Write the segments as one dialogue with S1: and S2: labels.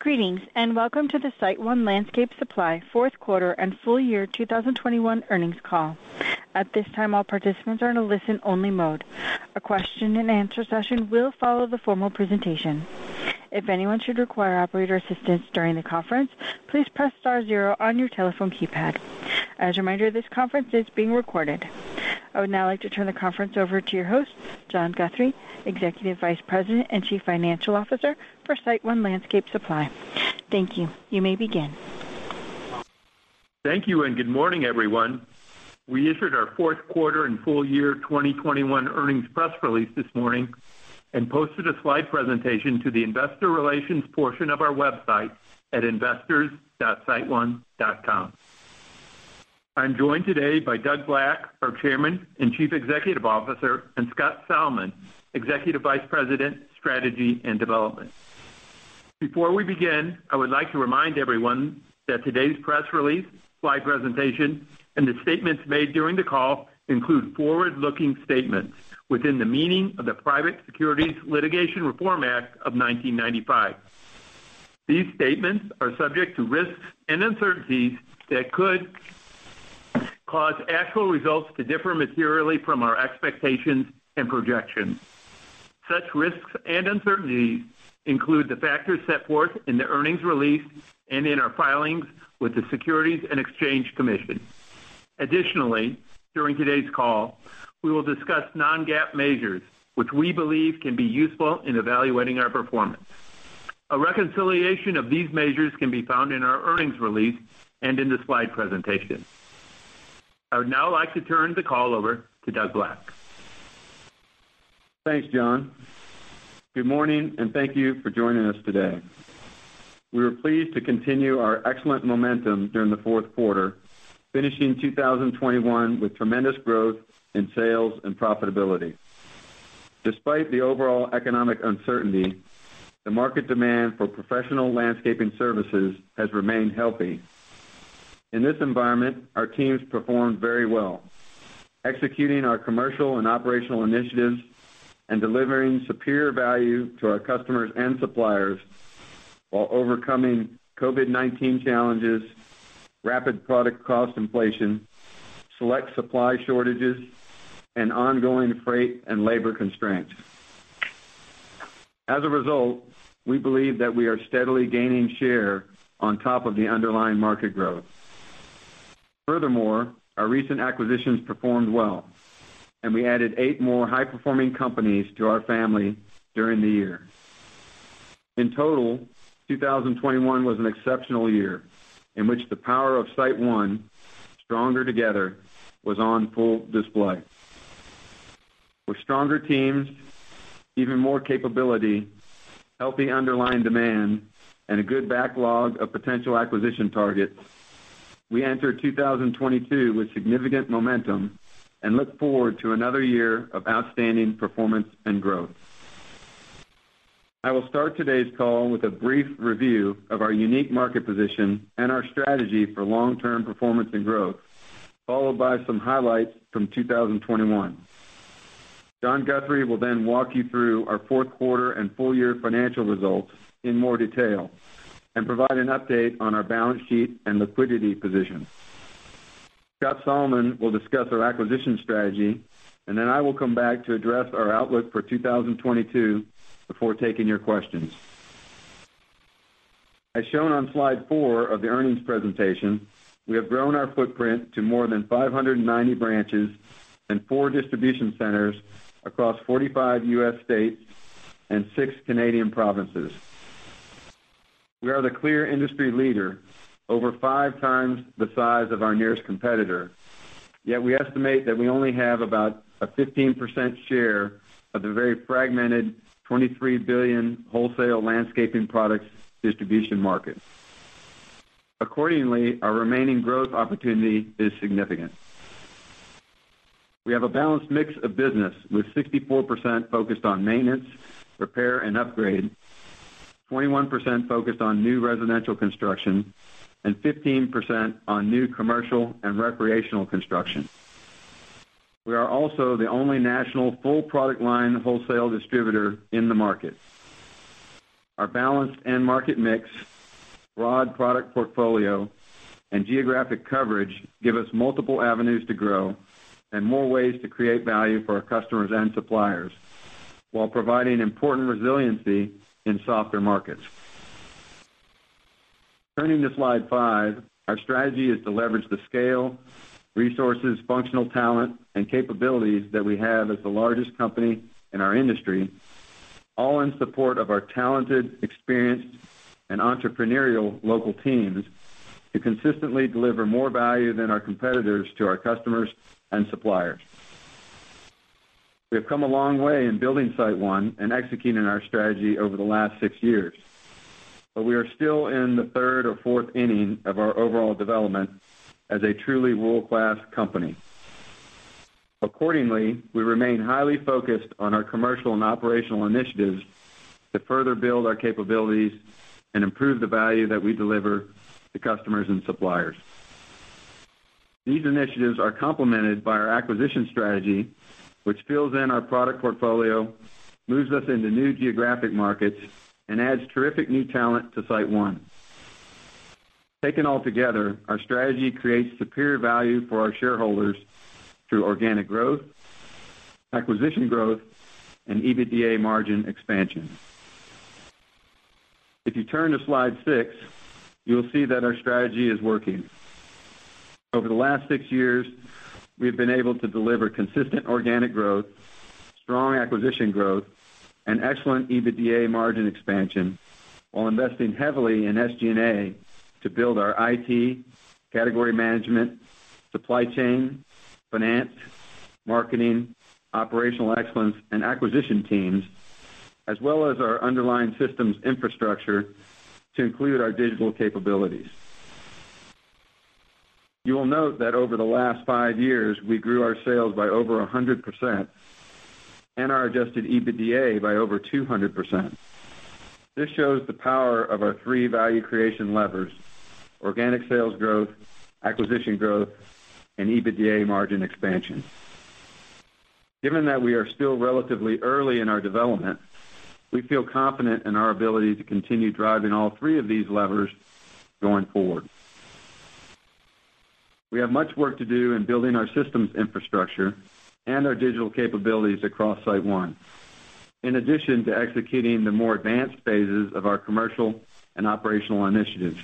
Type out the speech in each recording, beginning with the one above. S1: Greetings, and welcome to the SiteOne Landscape Supply Fourth Quarter and Full Year 2021 Earnings Call. At this time, all participants are in a listen-only mode. A question-and-answer session will follow the formal presentation. If anyone should require operator assistance during the conference, please press star zero on your telephone keypad. As a reminder, this conference is being recorded. I would now like to turn the conference over to your host, John Guthrie, Executive Vice President and Chief Financial Officer for SiteOne Landscape Supply. Thank you. You may begin.
S2: Thank you, and good morning, everyone. We issued our fourth quarter and full year 2021 earnings press release this morning and posted a slide presentation to the Investor Relations portion of our website at investors.siteone.com. I'm joined today by Doug Black, our Chairman and Chief Executive Officer, and Scott Salmon, Executive Vice President, Strategy and Development. Before we begin, I would like to remind everyone that today's press release, slide presentation, and the statements made during the call include forward-looking statements within the meaning of the Private Securities Litigation Reform Act of 1995. These statements are subject to risks and uncertainties that could cause actual results to differ materially from our expectations and projections. Such risks and uncertainties include the factors set forth in the earnings release and in our filings with the Securities and Exchange Commission. Additionally, during today's call, we will discuss non-GAAP measures which we believe can be useful in evaluating our performance. A reconciliation of these measures can be found in our earnings release and in the slide presentation. I would now like to turn the call over to Doug Black.
S3: Thanks, John. Good morning, and thank you for joining us today. We were pleased to continue our excellent momentum during the fourth quarter, finishing 2021 with tremendous growth in sales and profitability. Despite the overall economic uncertainty, the market demand for professional landscaping services has remained healthy. In this environment, our teams performed very well, executing our commercial and operational initiatives and delivering superior value to our customers and suppliers while overcoming COVID-19 challenges, rapid product cost inflation, select supply shortages, and ongoing freight and labor constraints. As a result, we believe that we are steadily gaining share on top of the underlying market growth. Furthermore, our recent acquisitions performed well, and we added eight more high-performing companies to our family during the year. In total, 2021 was an exceptional year in which the power of SiteOne, stronger together, was on full display. With stronger teams, even more capability, healthy underlying demand, and a good backlog of potential acquisition targets, we enter 2022 with significant momentum and look forward to another year of outstanding performance and growth. I will start today's call with a brief review of our unique market position and our strategy for long-term performance and growth, followed by some highlights from 2021. John Guthrie will then walk you through our fourth quarter and full year financial results in more detail and provide an update on our balance sheet and liquidity position. Scott Salmon will discuss our acquisition strategy, and then I will come back to address our outlook for 2022 before taking your questions. As shown on Slide Four of the earnings presentation, we have grown our footprint to more than 590 branches and four distribution centers across 45 U.S. states and six Canadian provinces. We are the clear industry leader, over five times the size of our nearest competitor, yet we estimate that we only have about a 15% share of the very fragmented $23 billion wholesale landscaping products distribution market. Accordingly, our remaining growth opportunity is significant. We have a balanced mix of business with 64% focused on maintenance, repair, and upgrade, 21% focused on new residential construction, and 15% on new commercial and recreational construction. We are also the only national full product line wholesale distributor in the market. Our balanced end market mix, broad product portfolio, and geographic coverage give us multiple avenues to grow and more ways to create value for our customers and suppliers while providing important resiliency in softer markets. Turning to Slide Five, our strategy is to leverage the scale, resources, functional talent, and capabilities that we have as the largest company in our industry, all in support of our talented, experienced, and entrepreneurial local teams to consistently deliver more value than our competitors to our customers and suppliers. We have come a long way in building SiteOne and executing our strategy over the last six years, but we are still in the third or fourth inning of our overall development as a truly world-class company. Accordingly, we remain highly focused on our commercial and operational initiatives to further build our capabilities and improve the value that we deliver to customers and suppliers. These initiatives are complemented by our acquisition strategy, which fills in our product portfolio, moves us into new geographic markets, and adds terrific new talent to SiteOne. Taken all together, our strategy creates superior value for our shareholders through organic growth, acquisition growth, and EBITDA margin expansion. If you turn to Slide Six, you'll see that our strategy is working. Over the last six years, we've been able to deliver consistent organic growth, strong acquisition growth, and excellent EBITDA margin expansion while investing heavily in SG&A to build our IT, category management, supply chain, finance, marketing, operational excellence, and acquisition teams, as well as our underlying systems infrastructure to include our digital capabilities. You will note that over the last five years, we grew our sales by over 100% and our adjusted EBITDA by over 200%. This shows the power of our three value creation levers, organic sales growth, acquisition growth, and EBITDA margin expansion. Given that we are still relatively early in our development, we feel confident in our ability to continue driving all three of these levers going forward. We have much work to do in building our systems infrastructure and our digital capabilities across SiteOne, in addition to executing the more advanced phases of our commercial and operational initiatives.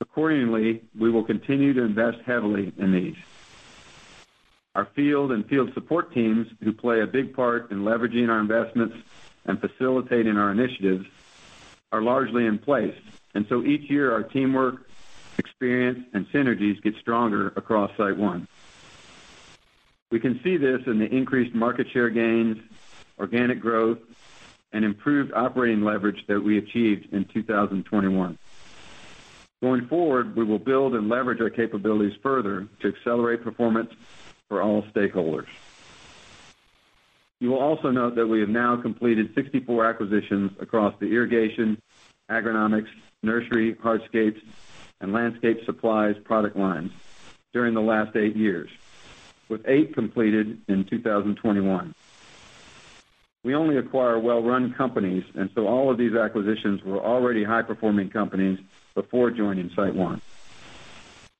S3: Accordingly, we will continue to invest heavily in these. Our field and field support teams, who play a big part in leveraging our investments and facilitating our initiatives, are largely in place, and so each year, our teamwork, experience, and synergies get stronger across SiteOne. We can see this in the increased market share gains, organic growth, and improved operating leverage that we achieved in 2021. Going forward, we will build and leverage our capabilities further to accelerate performance for all stakeholders. You will also note that we have now completed 64 acquisitions across the irrigation, agronomics, nursery, hardscapes, and landscape supplies product lines during the last eight years, with eight completed in 2021. We only acquire well-run companies, and so all of these acquisitions were already high-performing companies before joining SiteOne.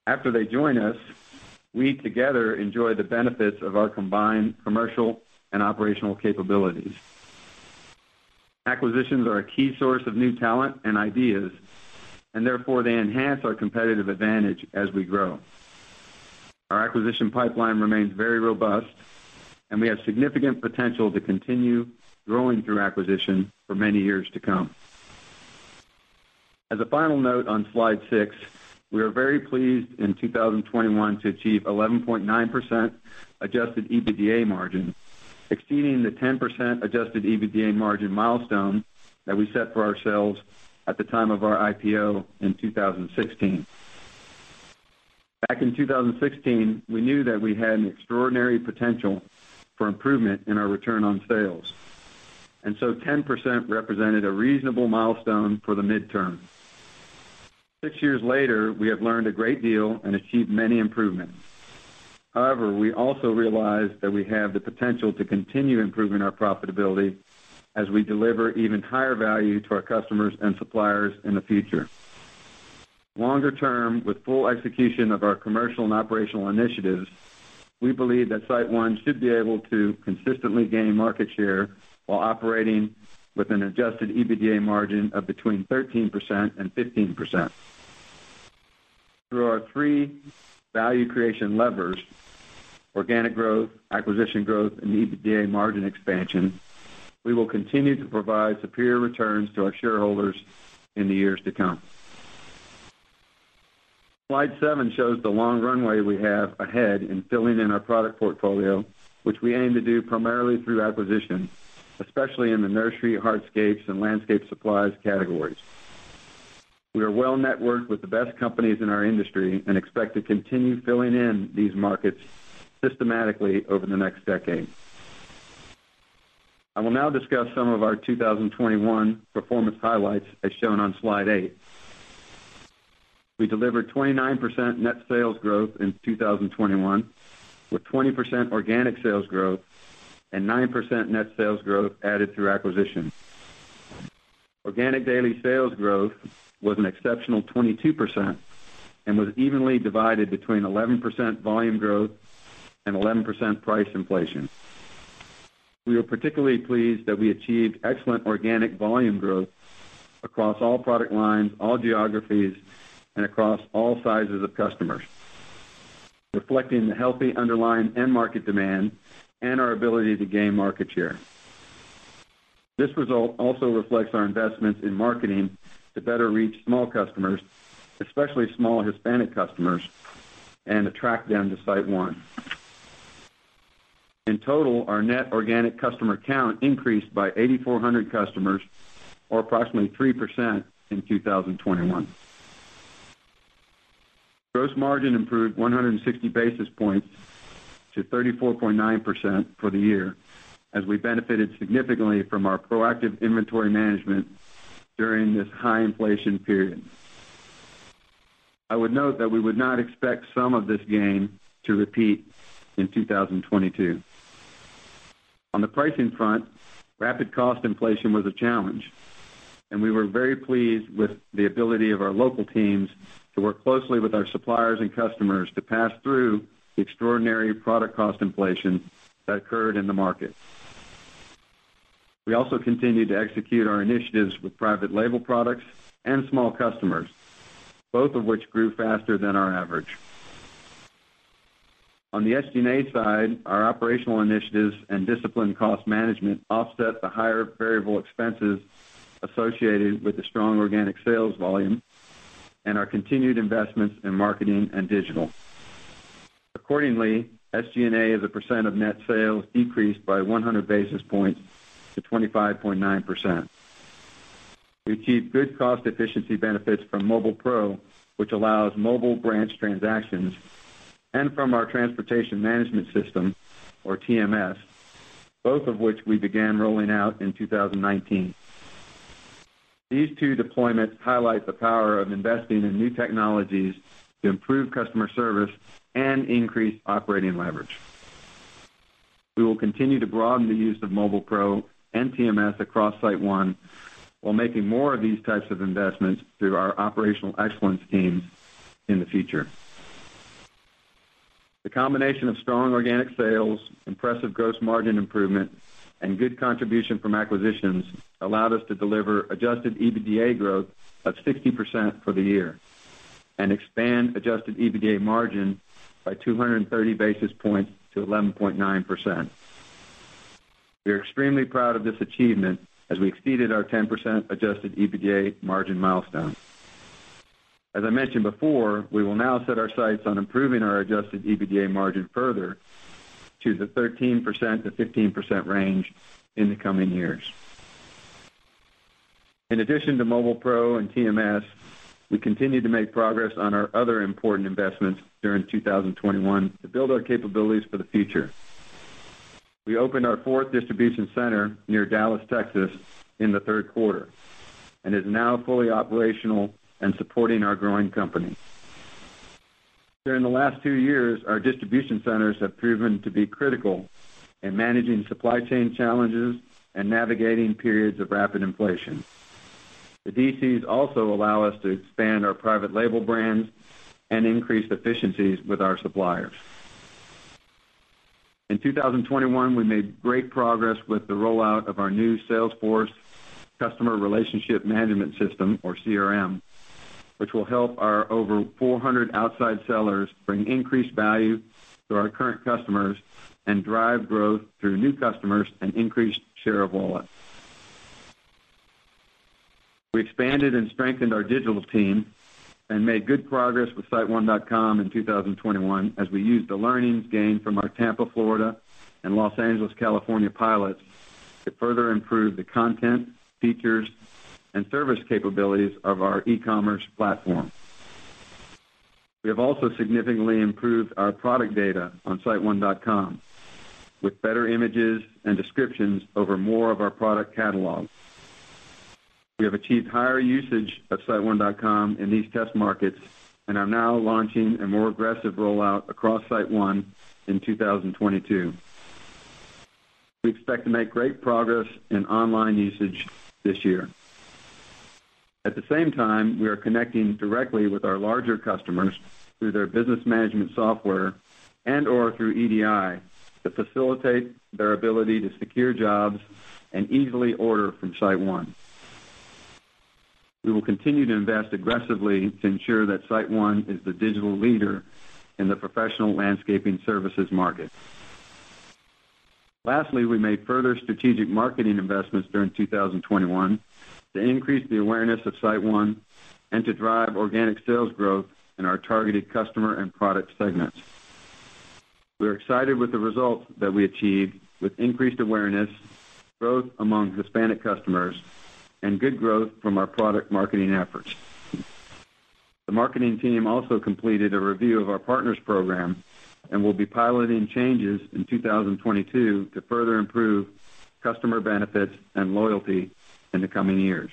S3: After they join us, we together enjoy the benefits of our combined commercial and operational capabilities. Acquisitions are a key source of new talent and ideas, and therefore they enhance our competitive advantage as we grow. Our acquisition pipeline remains very robust, and we have significant potential to continue growing through acquisition for many years to come. As a final note on Slide Six, we are very pleased in 2021 to achieve 11.9% adjusted EBITDA margin, exceeding the 10% adjusted EBITDA margin milestone that we set for ourselves at the time of our IPO in 2016. Back in 2016, we knew that we had an extraordinary potential for improvement in our return on sales, and so 10% represented a reasonable milestone for the midterm. Six years later, we have learned a great deal and achieved many improvements. However, we also realize that we have the potential to continue improving our profitability as we deliver even higher value to our customers and suppliers in the future. Longer term, with full execution of our commercial and operational initiatives, we believe that SiteOne should be able to consistently gain market share while operating with an adjusted EBITDA margin of between 13% and 15%. Through our three value creation levers, organic growth, acquisition growth, and EBITDA margin expansion, we will continue to provide superior returns to our shareholders in the years to come. Slide Seven shows the long runway we have ahead in filling in our product portfolio, which we aim to do primarily through acquisition, especially in the nursery, hardscapes, and landscape supplies categories. We are well-networked with the best companies in our industry and expect to continue filling in these markets systematically over the next decade. I will now discuss some of our 2021 performance highlights as shown on Slide Eight. We delivered 29% net sales growth in 2021, with 20% organic sales growth and 9% net sales growth added through acquisition. Organic daily sales growth was an exceptional 22% and was evenly divided between 11% volume growth and 11% price inflation. We are particularly pleased that we achieved excellent organic volume growth across all product lines, all geographies, and across all sizes of customers, reflecting the healthy underlying end market demand and our ability to gain market share. This result also reflects our investments in marketing to better reach small customers, especially small Hispanic customers, and attract them to SiteOne. In total, our net organic customer count increased by 8,400 customers or approximately 3% in 2021. Gross margin improved 160 basis points to 34.9% for the year as we benefited significantly from our proactive inventory management during this high inflation period. I would note that we would not expect some of this gain to repeat in 2022. On the pricing front, rapid cost inflation was a challenge, and we were very pleased with the ability of our local teams to work closely with our suppliers and customers to pass through the extraordinary product cost inflation that occurred in the market. We also continued to execute our initiatives with private label products and small customers, both of which grew faster than our average. On the SG&A side, our operational initiatives and disciplined cost management offset the higher variable expenses associated with the strong organic sales volume and our continued investments in marketing and digital. Accordingly, SG&A as a percent of net sales decreased by 100 basis points to 25.9%. We achieved good cost efficiency benefits from MobilePro, which allows mobile branch transactions, and from our transportation management system, or TMS, both of which we began rolling out in 2019. These two deployments highlight the power of investing in new technologies to improve customer service and increase operating leverage. We will continue to broaden the use of MobilePro and TMS across SiteOne while making more of these types of investments through our operational excellence teams in the future. The combination of strong organic sales, impressive gross margin improvement, and good contribution from acquisitions allowed us to deliver adjusted EBITDA growth of 60% for the year and expand adjusted EBITDA margin by 230 basis points to 11.9%. We are extremely proud of this achievement as we exceeded our 10% adjusted EBITDA margin milestone. As I mentioned before, we will now set our sights on improving our adjusted EBITDA margin further to the 13%-15% range in the coming years. In addition to MobilePro and TMS, we continued to make progress on our other important investments during 2021 to build our capabilities for the future. We opened our fourth distribution center near Dallas, Texas, in the third quarter and it is now fully operational and supporting our growing company. During the last two years, our distribution centers have proven to be critical in managing supply chain challenges and navigating periods of rapid inflation. The DCs also allow us to expand our private label brands and increase efficiencies with our suppliers. In 2021, we made great progress with the rollout of our new Salesforce customer relationship management system, or CRM, which will help our over 400 outside sellers bring increased value to our current customers and drive growth through new customers and increased share of wallet. We expanded and strengthened our digital team and made good progress with siteone.com in 2021 as we used the learnings gained from our Tampa, Florida, and Los Angeles, California, pilots to further improve the content, features, and service capabilities of our e-commerce platform. We have also significantly improved our product data on siteone.com with better images and descriptions over more of our product catalog. We have achieved higher usage of siteone.com in these test markets and are now launching a more aggressive rollout across SiteOne in 2022. We expect to make great progress in online usage this year. At the same time, we are connecting directly with our larger customers through their business management software and or through EDI to facilitate their ability to secure jobs and easily order from SiteOne. We will continue to invest aggressively to ensure that SiteOne is the digital leader in the professional landscaping services market. Lastly, we made further strategic marketing investments during 2021 to increase the awareness of SiteOne and to drive organic sales growth in our targeted customer and product segments. We are excited with the results that we achieved with increased awareness, growth among Hispanic customers, and good growth from our product marketing efforts. The marketing team also completed a review of our partners program and will be piloting changes in 2022 to further improve customer benefits and loyalty in the coming years.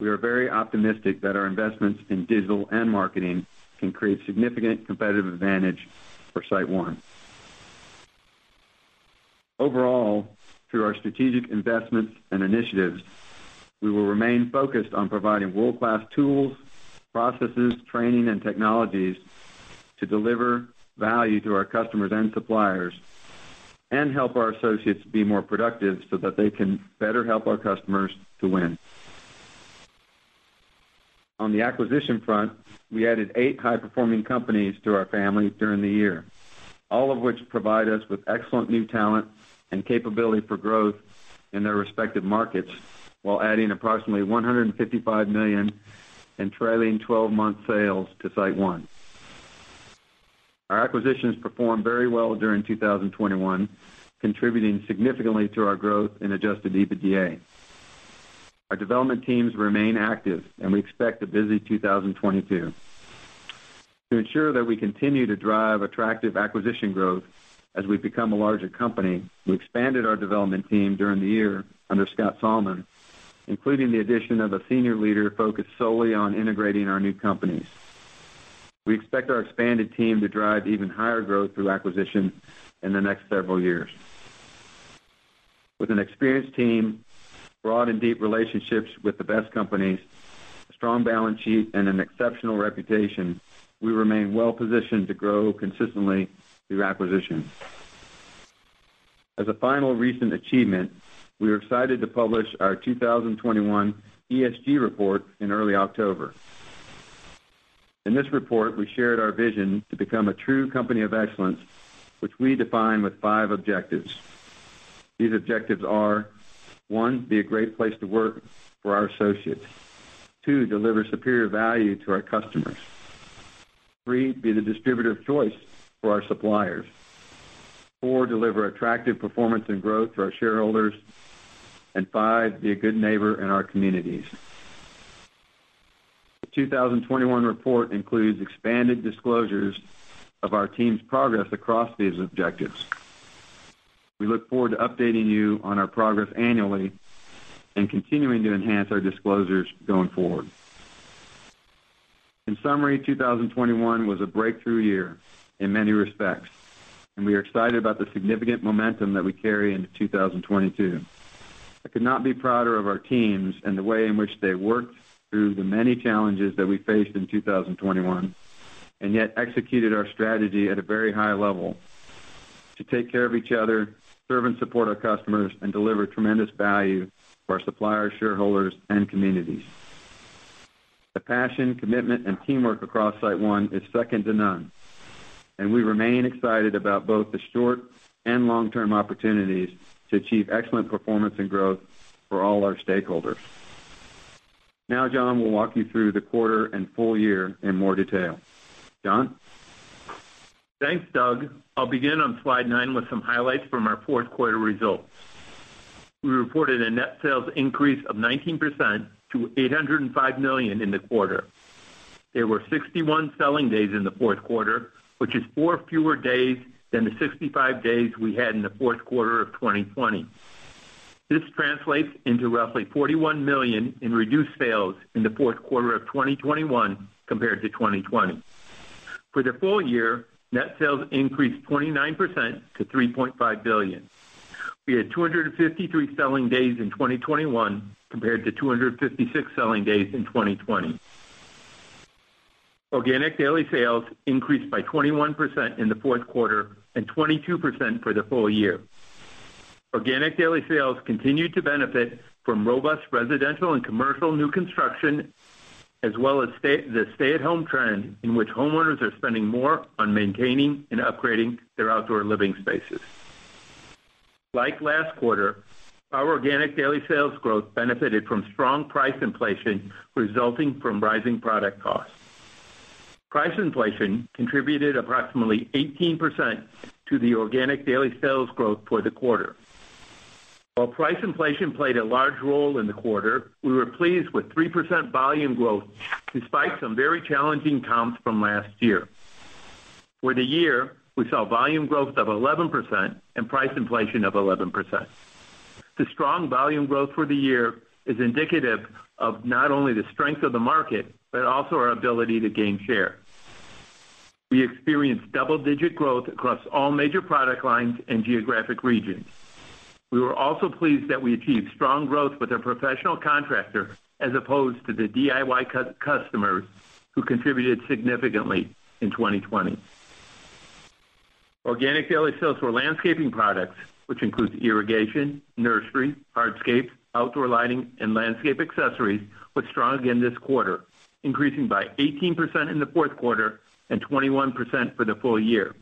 S3: We are very optimistic that our investments in digital and marketing can create significant competitive advantage for SiteOne. Overall, through our strategic investments and initiatives, we will remain focused on providing world-class tools, processes, training, and technologies to deliver value to our customers and suppliers and help our associates be more productive so that they can better help our customers to win. On the acquisition front, we added eight high-performing companies to our family during the year, all of which provide us with excellent new talent and capability for growth in their respective markets while adding approximately $155 million in trailing 12-month sales to SiteOne. Our acquisitions performed very well during 2021, contributing significantly to our growth in adjusted EBITDA. Our development teams remain active, and we expect a busy 2022. To ensure that we continue to drive attractive acquisition growth as we become a larger company, we expanded our development team during the year under Scott Salmon, including the addition of a senior leader focused solely on integrating our new companies. We expect our expanded team to drive even higher growth through acquisition in the next several years. With an experienced team, broad and deep relationships with the best companies, strong balance sheet, and an exceptional reputation, we remain well-positioned to grow consistently through acquisitions. As a final recent achievement, we are excited to publish our 2021 ESG report in early October. In this report, we shared our vision to become a true company of excellence, which we define with five objectives. These objectives are one, be a great place to work for our associates. Two, deliver superior value to our customers. Three, be the distributor of choice for our suppliers. Four, deliver attractive performance and growth for our shareholders. Five, be a good neighbor in our communities. The 2021 report includes expanded disclosures of our team's progress across these objectives. We look forward to updating you on our progress annually and continuing to enhance our disclosures going forward. In summary, 2021 was a breakthrough year in many respects, and we are excited about the significant momentum that we carry into 2022. I could not be prouder of our teams and the way in which they worked through the many challenges that we faced in 2021 and yet executed our strategy at a very high level to take care of each other, serve and support our customers, and deliver tremendous value for our suppliers, shareholders, and communities. The passion, commitment, and teamwork across SiteOne is second to none, and we remain excited about both the short- and long-term opportunities to achieve excellent performance and growth for all our stakeholders. Now, John will walk you through the quarter and full year in more detail. John?
S2: Thanks, Doug. I'll begin on Slide Nine with some highlights from our fourth quarter results. We reported a net sales increase of 19% to $805 million in the quarter. There were 61 selling days in the fourth quarter, which is four fewer days than the 65 days we had in the fourth quarter of 2020. This translates into roughly $41 million in reduced sales in the fourth quarter of 2021 compared to 2020. For the full year, net sales increased 29% to $3.5 billion. We had 253 selling days in 2021 compared to 256 selling days in 2020. Organic daily sales increased by 21% in the fourth quarter and 22% for the full year. Organic daily sales continued to benefit from robust residential and commercial new construction, as well as the stay-at-home trend in which homeowners are spending more on maintaining and upgrading their outdoor living spaces. Like last quarter, our organic daily sales growth benefited from strong price inflation resulting from rising product costs. Price inflation contributed approximately 18% to the organic daily sales growth for the quarter. While price inflation played a large role in the quarter, we were pleased with 3% volume growth despite some very challenging comps from last year. For the year, we saw volume growth of 11% and price inflation of 11%. The strong volume growth for the year is indicative of not only the strength of the market, but also our ability to gain share. We experienced double-digit growth across all major product lines and geographic regions. We were also pleased that we achieved strong growth with a professional contractor as opposed to the DIY customers who contributed significantly in 2020. Organic daily sales for landscaping products, which includes irrigation, nursery, hardscapes, outdoor lighting, and landscape accessories, was strong in this quarter, increasing by 18% in the fourth quarter and 21% for the full year.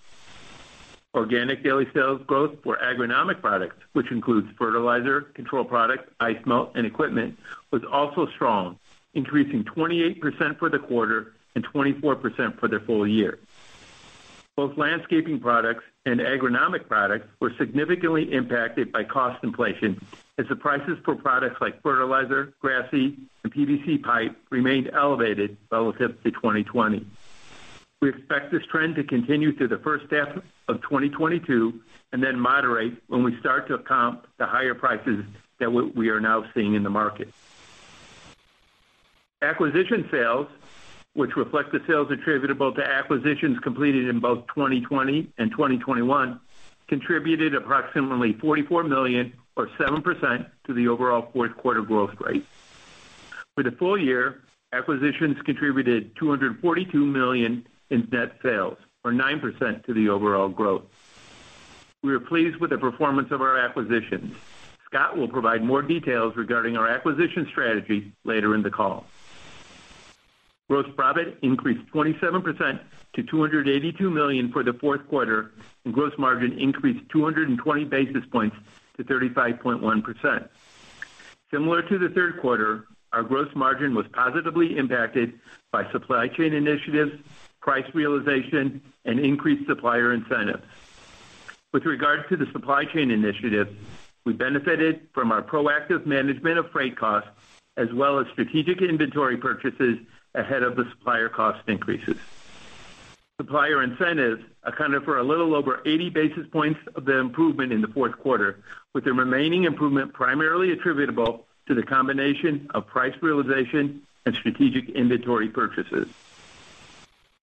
S2: Organic daily sales growth for agronomic products, which includes fertilizer, control products, ice melt, and equipment, was also strong, increasing 28% for the quarter and 24% for the full year. Both landscaping products and agronomic products were significantly impacted by cost inflation as the prices for products like fertilizer, grass seed, and PVC pipe remained elevated relative to 2020. We expect this trend to continue through the first half of 2022 and then moderate when we start to comp the higher prices that we are now seeing in the market. Acquisition sales, which reflect the sales attributable to acquisitions completed in both 2020 and 2021, contributed approximately $44 million or 7% to the overall fourth quarter growth rate. For the full year, acquisitions contributed $242 million in net sales or 9% to the overall growth. We are pleased with the performance of our acquisitions. Scott will provide more details regarding our acquisition strategy later in the call. Gross profit increased 27% to $282 million for the fourth quarter, and gross margin increased 220 basis points to 35.1%. Similar to the third quarter, our gross margin was positively impacted by supply chain initiatives, price realization, and increased supplier incentives. With regards to the supply chain initiative, we benefited from our proactive management of freight costs as well as strategic inventory purchases ahead of the supplier cost increases. Supplier incentives accounted for a little over 80 basis points of the improvement in the fourth quarter, with the remaining improvement primarily attributable to the combination of price realization and strategic inventory purchases.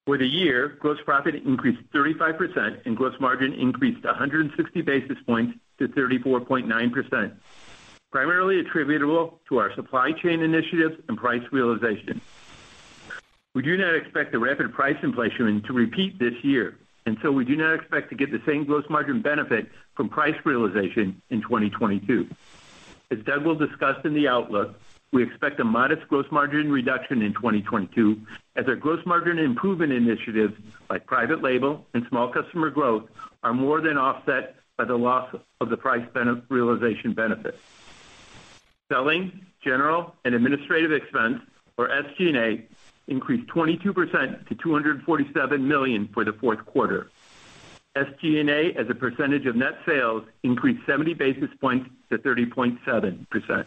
S2: For the year, gross profit increased 35% and gross margin increased 160 basis points to 34.9%, primarily attributable to our supply chain initiatives and price realization. We do not expect the rapid price inflation to repeat this year, and so we do not expect to get the same gross margin benefit from price realization in 2022. As Doug will discuss in the outlook, we expect a modest gross margin reduction in 2022 as our gross margin improvement initiatives, like private label and small customer growth, are more than offset by the loss of the price realization benefit. Selling, general, and administrative expense, or SG&A, increased 22% to $247 million for the fourth quarter. SG&A, as a percentage of net sales, increased 70 basis points to 30.7%.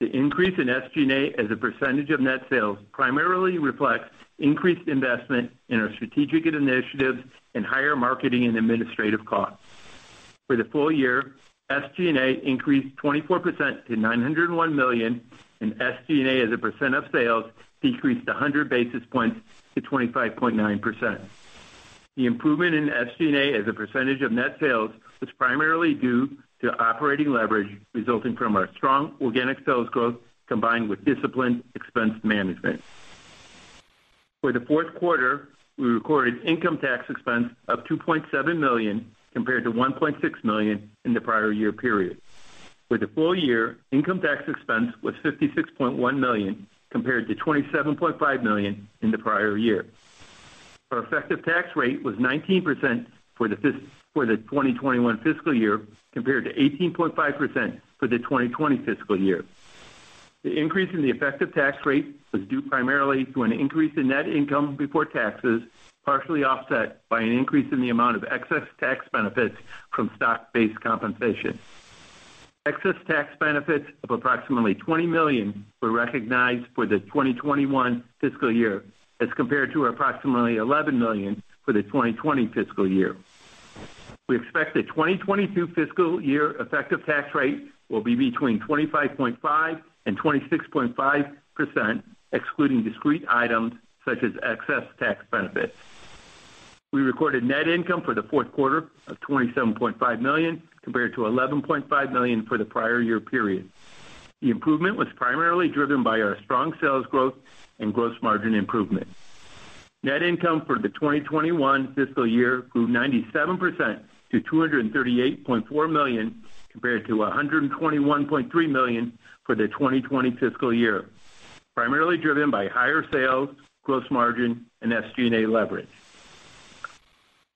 S2: The increase in SG&A as a percentage of net sales primarily reflects increased investment in our strategic initiatives and higher marketing and administrative costs. For the full year, SG&A increased 24% to $901 million, and SG&A, as a percent of sales, decreased 100 basis points to 25.9%. The improvement in SG&A as a percentage of net sales was primarily due to operating leverage resulting from our strong organic sales growth, combined with disciplined expense management. For the fourth quarter, we recorded income tax expense of $2.7 million, compared to $1.6 million in the prior year period. For the full year, income tax expense was $56.1 million, compared to $27.5 million in the prior year. Our effective tax rate was 19% for the 2021 fiscal year, compared to 18.5% for the 2020 fiscal year. The increase in the effective tax rate was due primarily to an increase in net income before taxes, partially offset by an increase in the amount of excess tax benefits from stock-based compensation. Excess tax benefits of approximately $20 million were recognized for the 2021 fiscal year as compared to approximately $11 million for the 2020 fiscal year. We expect the 2022 fiscal year effective tax rate will be between 25.5%-26.5%, excluding discrete items such as excess tax benefits. We recorded net income for the fourth quarter of $27.5 million, compared to $11.5 million for the prior year period. The improvement was primarily driven by our strong sales growth and gross margin improvement. Net income for the 2021 fiscal year grew 97% to $238.4 million, compared to $121.3 million for the 2020 fiscal year, primarily driven by higher sales, gross margin, and SG&A leverage.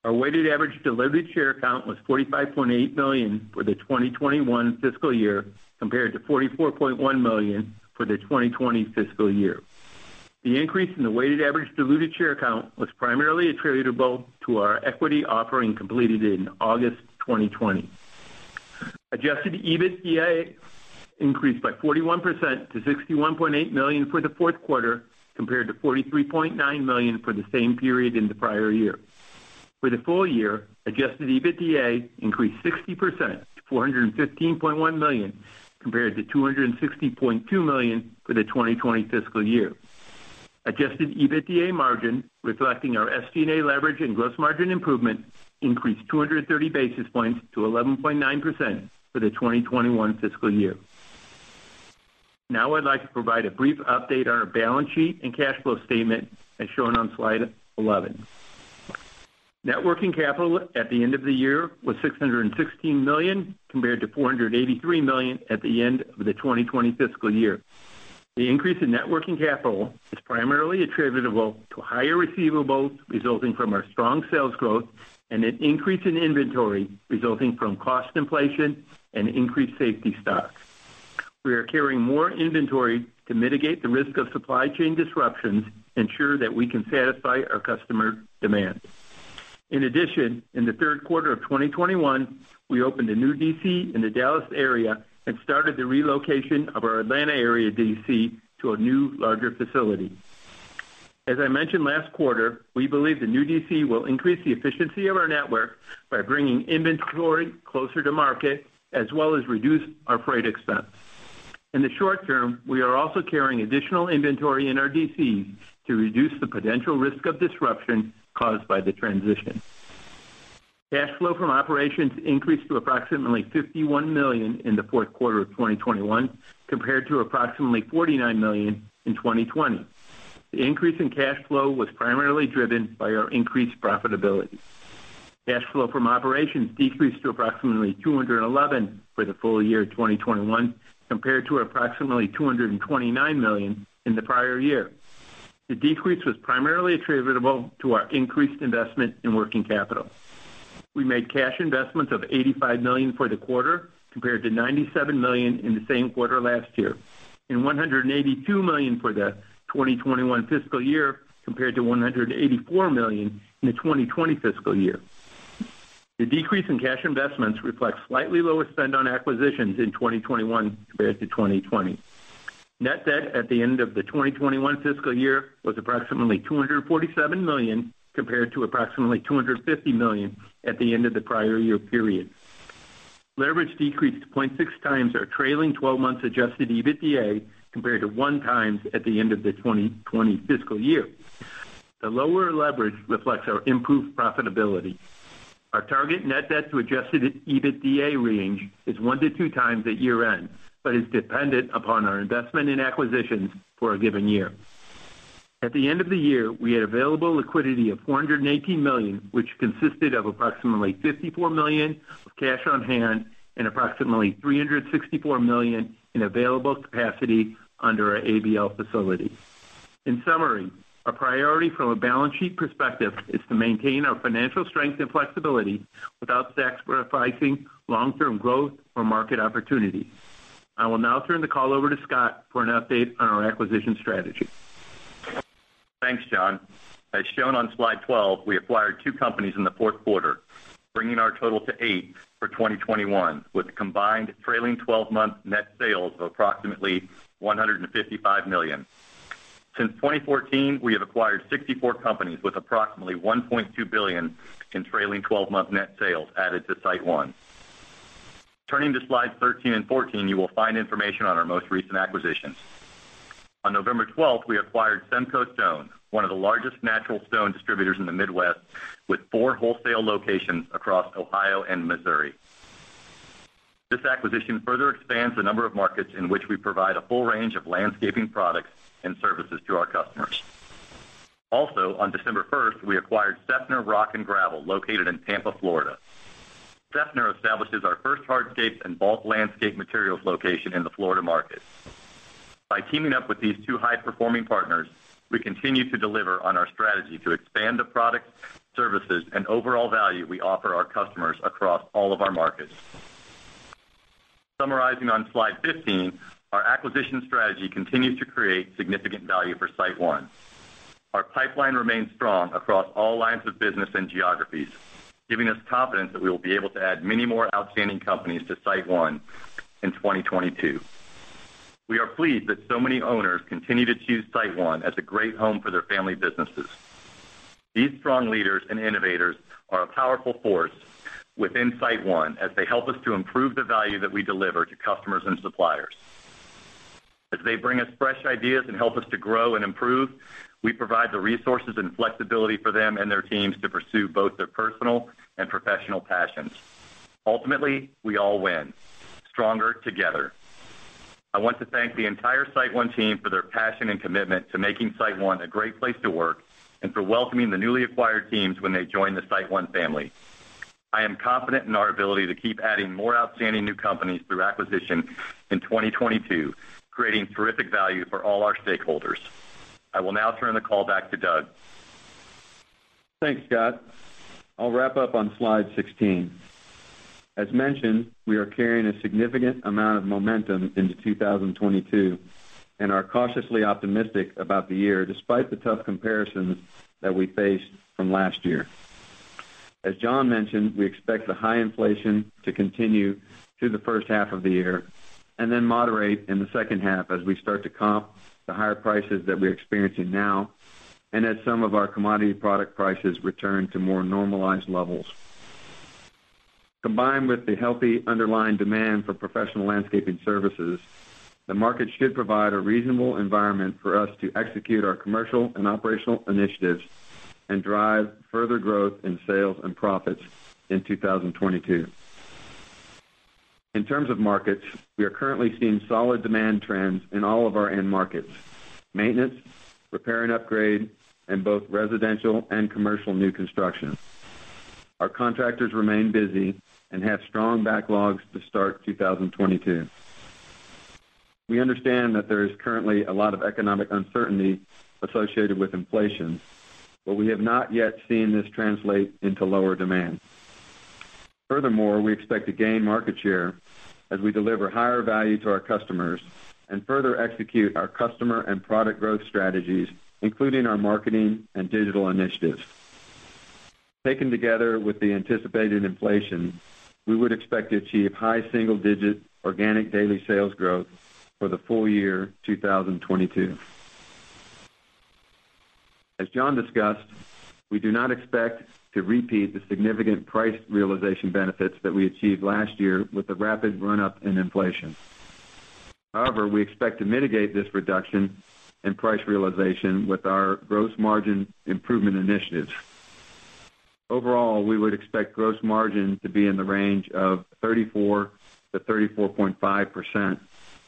S2: Our weighted average diluted share count was 45.8 million for the 2021 fiscal year, compared to 44.1 million for the 2020 fiscal year. The increase in the weighted average diluted share count was primarily attributable to our equity offering completed in August 2020. Adjusted EBITDA increased by 41% to $61.8 million for the fourth quarter, compared to $43.9 million for the same period in the prior year. For the full year, adjusted EBITDA increased 60% to $415.1 million, compared to $260.2 million for the 2020 fiscal year. Adjusted EBITDA margin, reflecting our SG&A leverage and gross margin improvement, increased 230 basis points to 11.9% for the 2021 fiscal year. Now I'd like to provide a brief update on our balance sheet and cash flow statement, as shown on Slide 11. Net working capital at the end of the year was $616 million, compared to $483 million at the end of the 2020 fiscal year. The increase in net working capital is primarily attributable to higher receivables resulting from our strong sales growth and an increase in inventory resulting from cost inflation and increased safety stocks. We are carrying more inventory to mitigate the risk of supply chain disruptions, ensure that we can satisfy our customer demand. In addition, in the third quarter of 2021, we opened a new DC in the Dallas area and started the relocation of our Atlanta area DC to a new larger facility. As I mentioned last quarter, we believe the new DC will increase the efficiency of our network by bringing inventory closer to market, as well as reduce our freight expense. In the short term, we are also carrying additional inventory in our DCs to reduce the potential risk of disruption caused by the transition. Cash flow from operations increased to approximately $51 million in the fourth quarter of 2021, compared to approximately $49 million in 2020. The increase in cash flow was primarily driven by our increased profitability. Cash flow from operations decreased to approximately $211 million for the full year 2021, compared to approximately $229 million in the prior year. The decrease was primarily attributable to our increased investment in working capital. We made cash investments of $85 million for the quarter, compared to $97 million in the same quarter last year. $182 million for the 2021 fiscal year compared to $184 million in the 2020 fiscal year. The decrease in cash investments reflects slightly lower spend on acquisitions in 2021 compared to 2020. Net debt at the end of the 2021 fiscal year was approximately $247 million, compared to approximately $250 million at the end of the prior year period. Leverage decreased to 0.6x our trailing 12 months adjusted EBITDA compared to 1x at the end of the 2020 fiscal year. The lower leverage reflects our improved profitability. Our target net debt to adjusted EBITDA range is 1x-2x at year-end, but is dependent upon our investment in acquisitions for a given year. At the end of the year, we had available liquidity of $418 million, which consisted of approximately $54 million of cash on hand and approximately $364 million in available capacity under our ABL facility. In summary, our priority from a balance sheet perspective is to maintain our financial strength and flexibility without sacrificing long-term growth or market opportunities. I will now turn the call over to Scott for an update on our acquisition strategy.
S4: Thanks, John. As shown on Slide 12, we acquired two companies in the fourth quarter, bringing our total to eight for 2021, with combined trailing 12-month net sales of approximately $155 million. Since 2014, we have acquired 64 companies with approximately $1.2 billion in trailing 12-month net sales added to SiteOne. Turning to Slides 13 and 14, you will find information on our most recent acquisitions. On November 12, we acquired Semco Stone, one of the largest natural stone distributors in the Midwest, with four wholesale locations across Ohio and Missouri. This acquisition further expands the number of markets in which we provide a full range of landscaping products and services to our customers. Also, on December 1, we acquired Seffner Rock & Gravel, located in Tampa, Florida. Seffner establishes our first hardscapes and bulk landscape materials location in the Florida market. By teaming up with these two high-performing partners, we continue to deliver on our strategy to expand the products, services, and overall value we offer our customers across all of our markets. Summarizing on Slide 15, our acquisition strategy continues to create significant value for SiteOne. Our pipeline remains strong across all lines of business and geographies, giving us confidence that we will be able to add many more outstanding companies to SiteOne in 2022. We are pleased that so many owners continue to choose SiteOne as a great home for their family businesses. These strong leaders and innovators are a powerful force within SiteOne as they help us to improve the value that we deliver to customers and suppliers. As they bring us fresh ideas and help us to grow and improve, we provide the resources and flexibility for them and their teams to pursue both their personal and professional passions. Ultimately, we all win stronger together. I want to thank the entire SiteOne team for their passion and commitment to making SiteOne a great place to work and for welcoming the newly acquired teams when they join the SiteOne family. I am confident in our ability to keep adding more outstanding new companies through acquisition in 2022, creating terrific value for all our stakeholders. I will now turn the call back to Doug.
S3: Thanks, Scott. I'll wrap up on Slide 16. As mentioned, we are carrying a significant amount of momentum into 2022 and are cautiously optimistic about the year despite the tough comparisons that we faced from last year. As John mentioned, we expect the high inflation to continue through the first half of the year and then moderate in the second half as we start to comp the higher prices that we're experiencing now and as some of our commodity product prices return to more normalized levels. Combined with the healthy underlying demand for professional landscaping services, the market should provide a reasonable environment for us to execute our commercial and operational initiatives and drive further growth in sales and profits in 2022. In terms of markets, we are currently seeing solid demand trends in all of our end markets, maintenance, repair and upgrade, and both residential and commercial new construction. Our contractors remain busy and have strong backlogs to start 2022. We understand that there is currently a lot of economic uncertainty associated with inflation, but we have not yet seen this translate into lower demand. Furthermore, we expect to gain market share as we deliver higher value to our customers and further execute our customer and product growth strategies, including our marketing and digital initiatives. Taken together with the anticipated inflation, we would expect to achieve high single-digit organic daily sales growth for the full year 2022. As John discussed, we do not expect to repeat the significant price realization benefits that we achieved last year with the rapid run-up in inflation. However, we expect to mitigate this reduction in price realization with our gross margin improvement initiatives. Overall, we would expect gross margin to be in the range of 34%-34.5%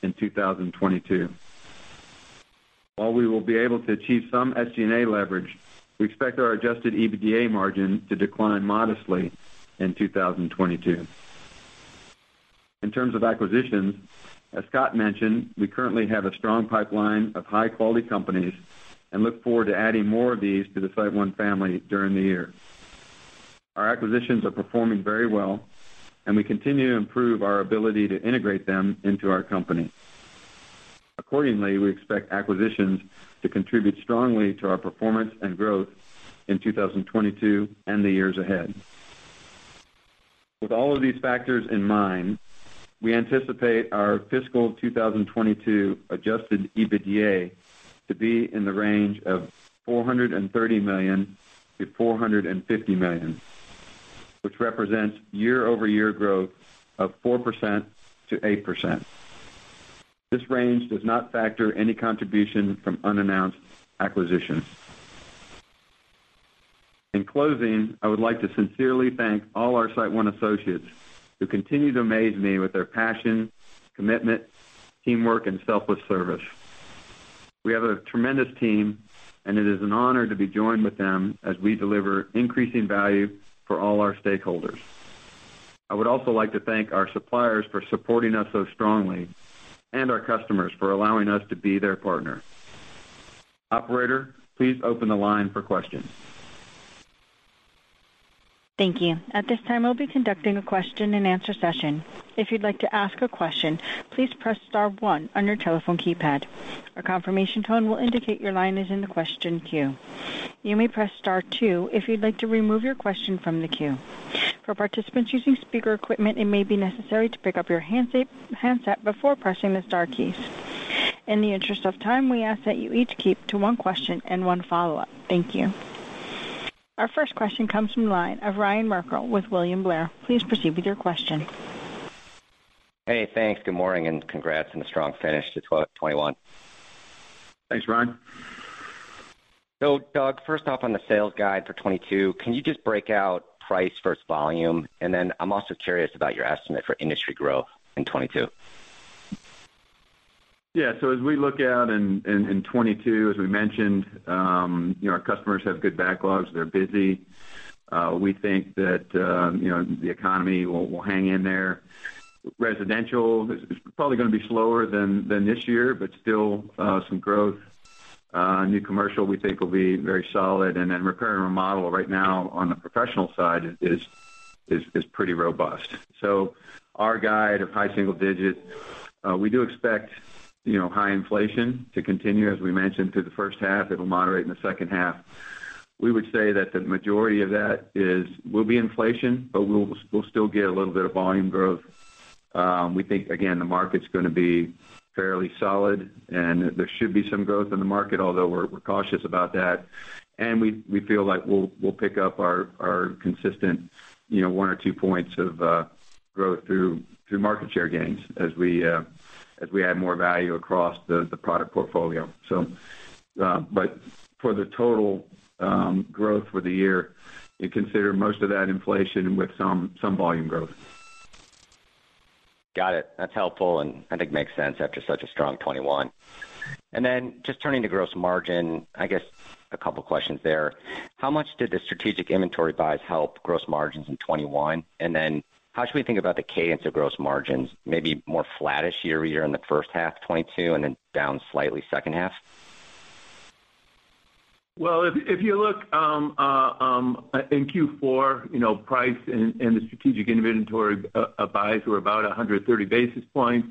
S3: in 2022. While we will be able to achieve some SG&A leverage, we expect our adjusted EBITDA margin to decline modestly in 2022. In terms of acquisitions, as Scott mentioned, we currently have a strong pipeline of high-quality companies and look forward to adding more of these to the SiteOne family during the year. Our acquisitions are performing very well, and we continue to improve our ability to integrate them into our company. Accordingly, we expect acquisitions to contribute strongly to our performance and growth in 2022 and the years ahead. With all of these factors in mind, we anticipate our fiscal 2022 adjusted EBITDA to be in the range of $430 million-$450 million, which represents year-over-year growth of 4%-8%. This range does not factor any contribution from unannounced acquisitions. In closing, I would like to sincerely thank all our SiteOne associates who continue to amaze me with their passion, commitment, teamwork, and selfless service. We have a tremendous team, and it is an honor to be joined with them as we deliver increasing value for all our stakeholders. I would also like to thank our suppliers for supporting us so strongly and our customers for allowing us to be their partner. Operator, please open the line for questions.
S1: Thank you. At this time, we'll be conducting a question-and-answer session. If you'd like to ask a question, please press star one on your telephone keypad. A confirmation tone will indicate your line is in the question queue. You may press star two if you'd like to remove your question from the queue. For participants using speaker equipment, it may be necessary to pick up your handset before pressing the star keys. In the interest of time, we ask that you each keep to one question and one follow-up. Thank you. Our first question comes from the line of Ryan Merkel with William Blair. Please proceed with your question.
S5: Hey, thanks. Good morning, and congrats on a strong finish to 2021.
S3: Thanks, Ryan.
S5: Doug, first off, on the sales guide for 2022, can you just break out price versus volume? Then I'm also curious about your estimate for industry growth in 2022.
S3: Yeah. As we look out in 2022, as we mentioned, you know, our customers have good backlogs. They're busy. We think that, you know, the economy will hang in there. Residential is probably gonna be slower than this year, but still, some growth. New commercial, we think will be very solid. Repair and remodel right now on the professional side is pretty robust. Our guide of high single digits, we do expect, you know, high inflation to continue, as we mentioned, through the first half. It'll moderate in the second half. We would say that the majority of that will be inflation, but we'll still get a little bit of volume growth. We think, again, the market's gonna be fairly solid, and there should be some growth in the market, although we're cautious about that. We feel like we'll pick up our consistent, you know, one or two points of growth through market share gains as we add more value across the product portfolio. For the total growth for the year, you consider most of that inflation with some volume growth.
S5: Got it. That's helpful, and I think makes sense after such a strong 2021. Just turning to gross margin, I guess a couple questions there. How much did the strategic inventory buys help gross margins in 2021? How should we think about the cadence of gross margins? Maybe more flattish year-over-year in the first half of 2022 and then down slightly second half?
S2: If you look in Q4, you know, price and the strategic inventory buys were about 130 basis points.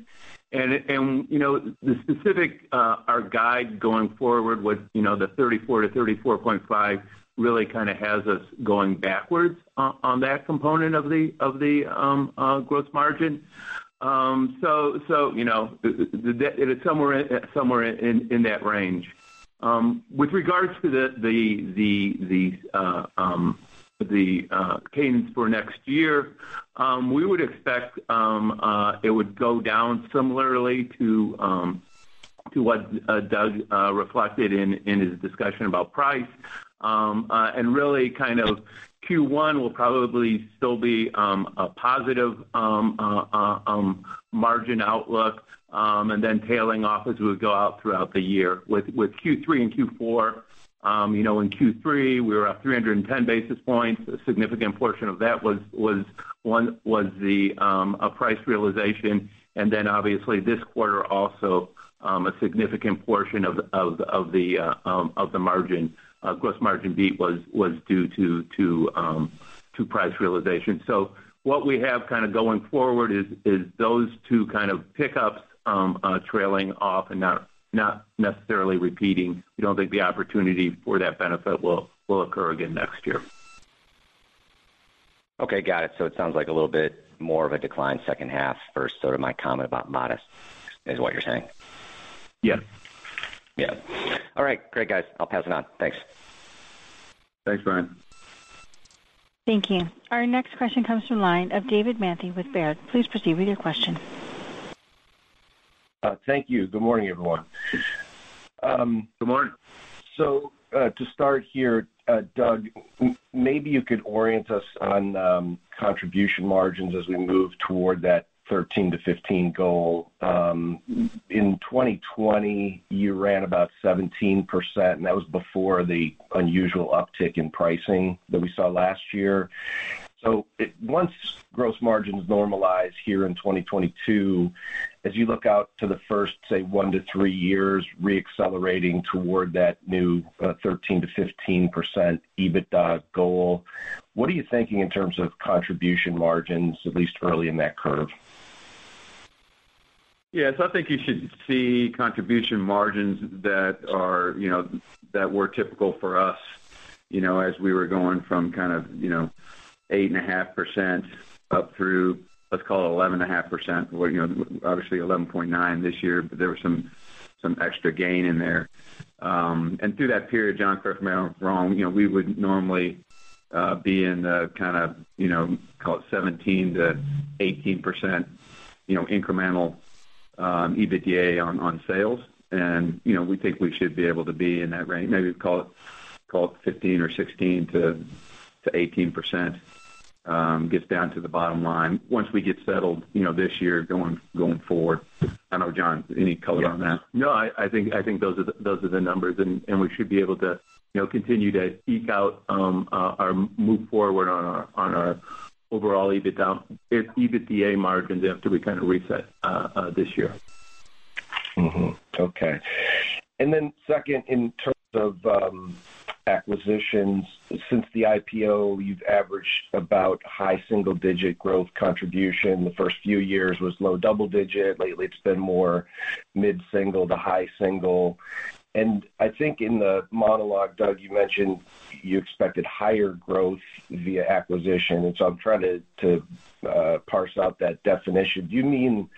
S2: You know, the specific our guide going forward with, you know, the 34%-34.5% really kinda has us going backwards on that component of the gross margin. You know, it is somewhere in that range. With regards to the cadence for next year, we would expect it would go down similarly to what Doug reflected in his discussion about price. Really kind of Q1 will probably still be a positive margin outlook and then tailing off as we go out throughout the year. With Q3 and Q4, you know, in Q3, we were up 310 basis points. A significant portion of that was a price realization. Then obviously this quarter also, a significant portion of the gross margin beat was due to price realization. What we have kinda going forward is those two kind of pickups trailing off and not necessarily repeating. We don't think the opportunity for that benefit will occur again next year.
S5: Okay, got it. It sounds like a little bit more of a decline second half versus sort of my comment about modest is what you're saying.
S2: Yeah.
S5: Yeah. All right. Great, guys. I'll pass it on. Thanks.
S3: Thanks, Ryan.
S1: Thank you. Our next question comes from line of David Manthey with Baird. Please proceed with your question.
S6: Thank you. Good morning, everyone.
S3: Good morning.
S6: To start here, Doug, maybe you could orient us on contribution margins as we move toward that 13%-15% goal. In 2020, you ran about 17%, and that was before the unusual uptick in pricing that we saw last year. Once gross margins normalize here in 2022, as you look out to the first, say, one to three years re-accelerating toward that new 13%-15% EBITDA goal, what are you thinking in terms of contribution margins, at least early in that curve?
S3: Yes, I think you should see contribution margins that are, you know, that were typical for us, you know, as we were going from kind of, you know, 8.5% up through, let's call it 11.5%. Well, you know, obviously 11.9% this year, but there was some extra gain in there. Through that period, John, correct me if I'm wrong, you know, we would normally be in the kind of, you know, call it 17%-18%, you know, incremental EBITDA on sales. You know, we think we should be able to be in that range. Maybe call it 15% or 16% to 18% gets down to the bottom line once we get settled, you know, this year going forward. I don't know, John, any color on that?
S2: Yeah. No, I think those are the numbers, and we should be able to, you know, continue to eke out move forward on our overall EBITDA margins after we kind of reset this year.
S6: Mm-hmm. Okay. Second, in terms of acquisitions, since the IPO, you've averaged about high single-digit growth contribution. The first few years was low double digit. Lately, it's been more mid-single to high single. I think in the monologue, Doug, you mentioned you expected higher growth via acquisition, so I'm trying to parse out that definition. Do you mean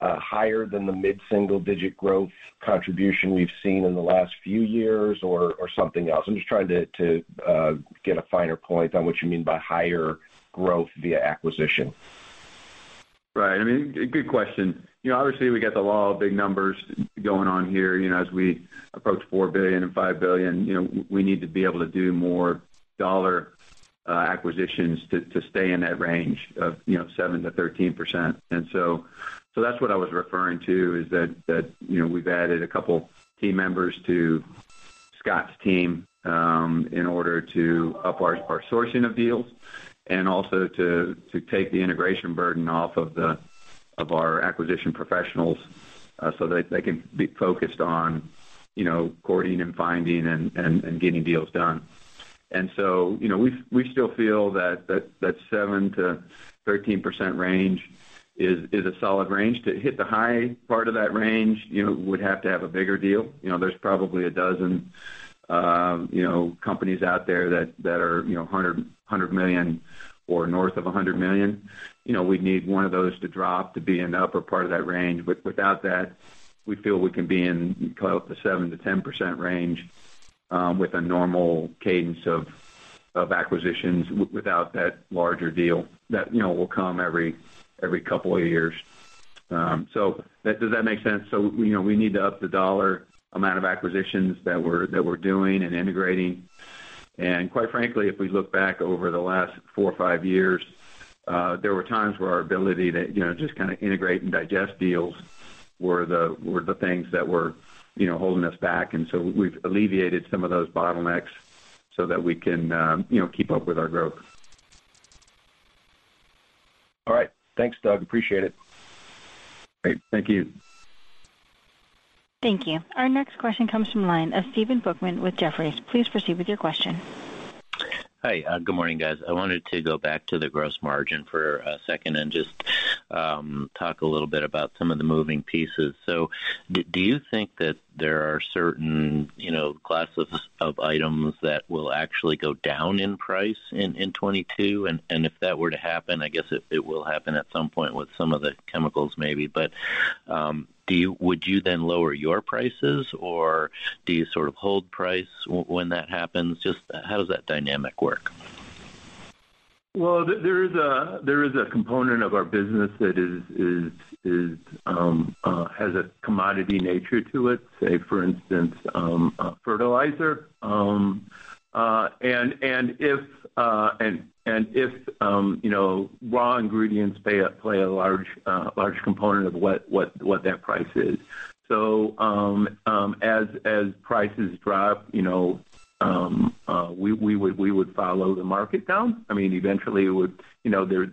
S6: higher than the mid-single digit growth contribution we've seen in the last few years or something else? I'm just trying to get a finer point on what you mean by higher growth via acquisition.
S3: Right. I mean, good question. You know, obviously we got the law of big numbers going on here. You know, as we approach $4 billion and $5 billion, you know, we need to be able to do more dollar acquisitions to stay in that range of, you know, 7%-13%. That's what I was referring to, is that, you know, we've added a couple key members to Scott's team in order to up our sourcing of deals and also to take the integration burden off of our acquisition professionals so that they can be focused on, you know, courting and finding and getting deals done. You know, we still feel that 7%-13% range is a solid range. To hit the high part of that range, you know, we'd have to have a bigger deal. You know, there's probably a dozen, you know, companies out there that are, you know, $100 million or north of $100 million. You know, we'd need one of those to drop to be in the upper part of that range. Without that, we feel we can be in call it the 7%-10% range, with a normal cadence of acquisitions without that larger deal that, you know, will come every couple of years. Does that make sense? You know, we need to up the dollar amount of acquisitions that we're doing and integrating. Quite frankly, if we look back over the last four or five years, there were times where our ability to, you know, just kind of integrate and digest deals were the things that were, you know, holding us back. We've alleviated some of those bottlenecks so that we can, you know, keep up with our growth.
S6: All right. Thanks, Doug. Appreciate it.
S3: Great. Thank you.
S1: Thank you. Our next question comes from the line of Stephen Volkmann with Jefferies. Please proceed with your question.
S7: Hi. Good morning, guys. I wanted to go back to the gross margin for a second and just talk a little bit about some of the moving pieces. Do you think that there are certain, you know, classes of items that will actually go down in price in 2022? If that were to happen, I guess it will happen at some point with some of the chemicals maybe. Would you then lower your prices, or do you sort of hold price when that happens? Just how does that dynamic work?
S3: There is a component of our business that has a commodity nature to it, say, for instance, fertilizer. And if you know, raw ingredients play a large component of what that price is. As prices drop, you know, we would follow the market down. I mean, eventually it would, you know, there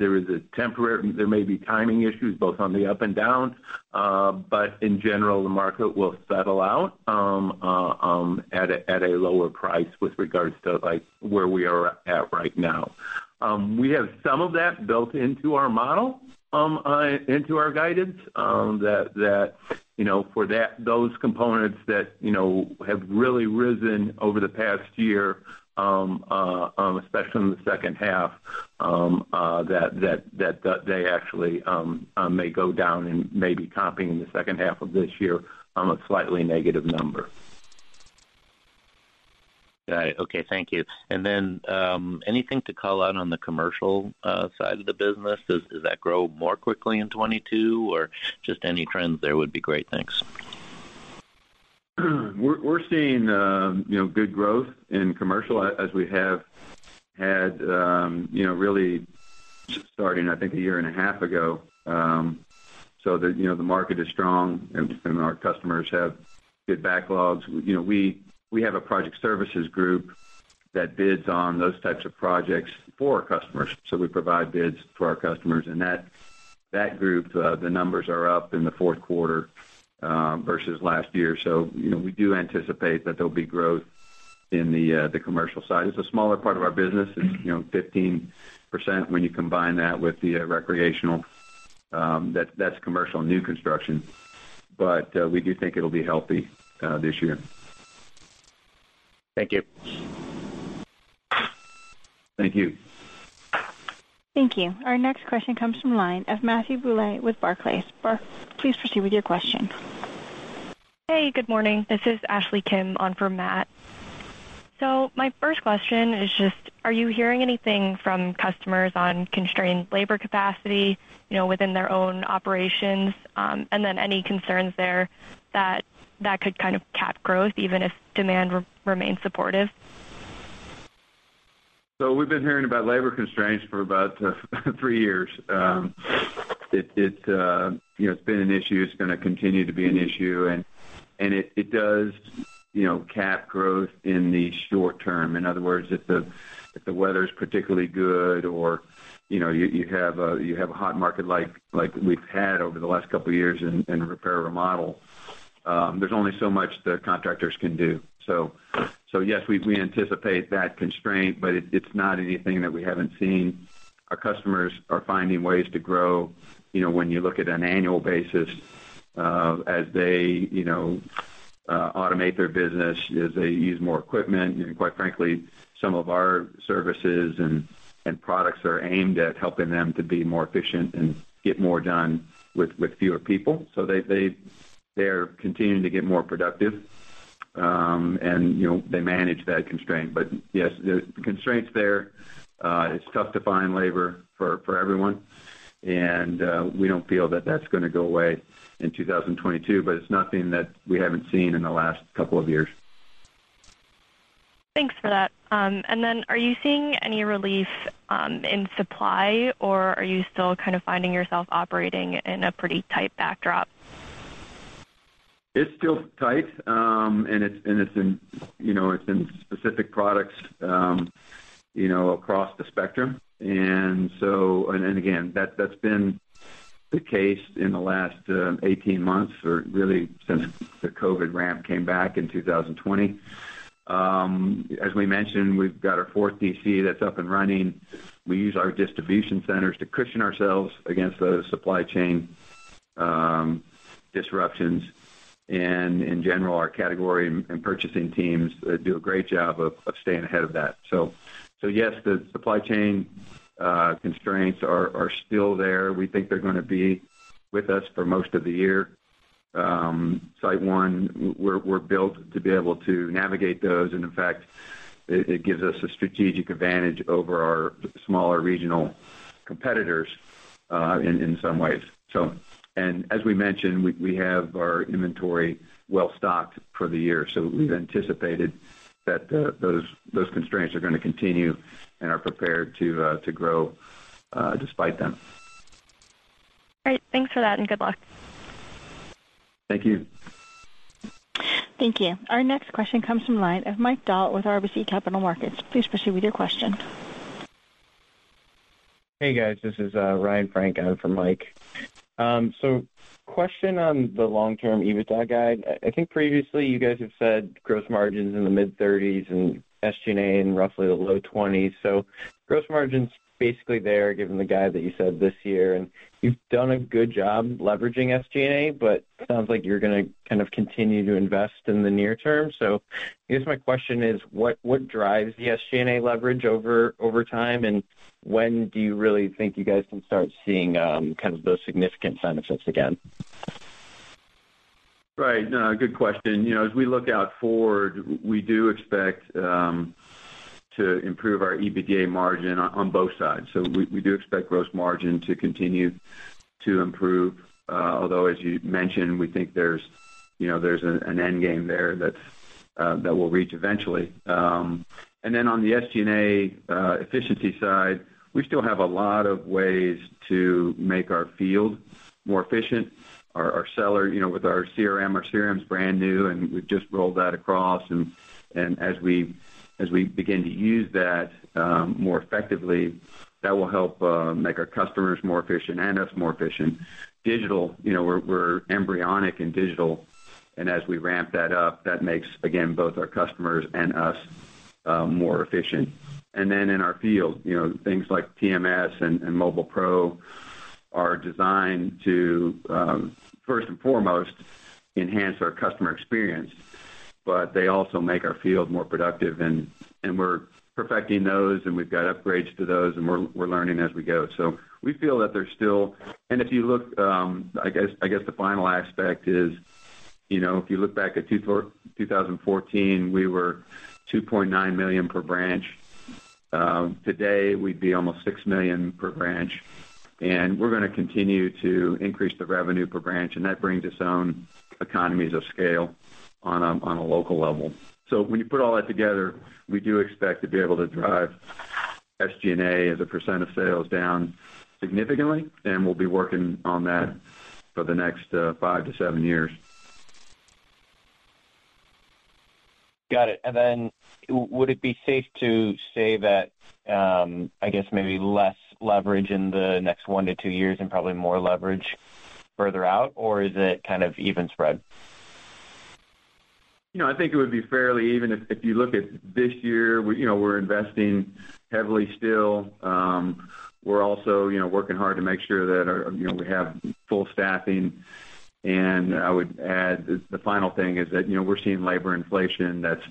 S3: may be timing issues both on the up and down, but in general, the market will settle out at a lower price with regards to, like, where we are at right now. We have some of that built into our model, into our guidance, that you know, for those components that you know, have really risen over the past year, especially in the second half, that they actually may go down and may be topping in the second half of this year on a slightly negative number.
S7: Got it. Okay. Thank you. Anything to call out on the commercial side of the business? Does that grow more quickly in 2022, or just any trends there would be great. Thanks.
S3: We're seeing, you know, good growth in commercial as we have had, you know, really starting, I think, a year and a half ago. The market is strong and our customers have good backlogs. You know, we have a project services group that bids on those types of projects for our customers. We provide bids to our customers and that group, the numbers are up in the fourth quarter versus last year. You know, we do anticipate that there'll be growth in the commercial side. It's a smaller part of our business. It's, you know, 15% when you combine that with the recreational, that's commercial new construction. We do think it'll be healthy this year.
S7: Thank you.
S3: Thank you.
S1: Thank you. Our next question comes from the line of Matthew Bouley with Barclays. Please proceed with your question.
S8: Hey, good morning. This is Ashley Kim on for Matt. My first question is just, are you hearing anything from customers on constrained labor capacity, you know, within their own operations? Any concerns there that could kind of cap growth even if demand remains supportive?
S3: We've been hearing about labor constraints for about three years. You know, it's been an issue. It's gonna continue to be an issue. It does, you know, cap growth in the short term. In other words, if the weather's particularly good or, you know, you have a hot market like we've had over the last couple of years in repair or remodel, there's only so much the contractors can do. Yes, we anticipate that constraint, but it's not anything that we haven't seen. Our customers are finding ways to grow, you know, when you look at an annual basis, as they, you know, automate their business, as they use more equipment. Quite frankly, some of our services and products are aimed at helping them to be more efficient and get more done with fewer people. They're continuing to get more productive, you know, and they manage that constraint. Yes, the constraint's there. It's tough to find labor for everyone. We don't feel that that's gonna go away in 2022, but it's nothing that we haven't seen in the last couple of years.
S8: Thanks for that. Are you seeing any relief in supply, or are you still kind of finding yourself operating in a pretty tight backdrop?
S3: It's still tight, and it's in, you know, it's in specific products, you know, across the spectrum. Again, that's been the case in the last 18 months or really since the COVID ramp came back in 2020. As we mentioned, we've got our fourth DC that's up and running. We use our distribution centers to cushion ourselves against those supply chain disruptions. In general, our category and purchasing teams do a great job of staying ahead of that. Yes, the supply chain constraints are still there. We think they're gonna be with us for most of the year. SiteOne, we're built to be able to navigate those, and in fact, it gives us a strategic advantage over our smaller regional competitors in some ways. As we mentioned, we have our inventory well stocked for the year. We've anticipated that those constraints are gonna continue and are prepared to grow despite them.
S8: Great. Thanks for that, and good luck.
S3: Thank you.
S1: Thank you. Our next question comes from the line of Mike Dahl with RBC Capital Markets. Please proceed with your question.
S9: Hey, guys, this is Ryan Frank in for Mike. Question on the long-term EBITDA guide. I think previously you guys have said gross margins in the mid-30%s and SG&A in roughly the low 20%s. Gross margin's basically there given the guide that you said this year, and you've done a good job leveraging SG&A, but sounds like you're gonna kind of continue to invest in the near term. I guess my question is, what drives the SG&A leverage over time? When do you really think you guys can start seeing kind of those significant benefits again?
S3: Right. No, good question. You know, as we look forward, we do expect to improve our EBITDA margin on both sides. We do expect gross margin to continue to improve. Although as you mentioned, we think there's, you know, an end game there that we'll reach eventually. On the SG&A efficiency side, we still have a lot of ways to make our field more efficient. Our seller, you know, with our CRM, our CRM's brand new, and we've just rolled that across, and as we begin to use that more effectively, that will help make our customers more efficient and us more efficient. Digital, you know, we're embryonic in digital, and as we ramp that up, that makes, again, both our customers and us more efficient. Then in our field, you know, things like TMS and MobilePro are designed to first and foremost enhance our customer experience, but they also make our field more productive. We're perfecting those, and we've got upgrades to those, and we're learning as we go. We feel that there's still. If you look, I guess the final aspect is, you know, if you look back at 2014, we were $2.9 million per branch. Today, we'd be almost $6 million per branch, and we're gonna continue to increase the revenue per branch, and that brings its own economies of scale on a local level. When you put all that together, we do expect to be able to drive SG&A as a percent of sales down significantly, and we'll be working on that for the next five to seven years.
S9: Would it be safe to say that, I guess maybe less leverage in the next one to two years and probably more leverage further out? Or is it kind of even spread?
S3: You know, I think it would be fairly even. If you look at this year, you know, we're investing heavily still. We're also, you know, working hard to make sure that, you know, we have full staffing. I would add the final thing is that, you know, we're seeing labor inflation that's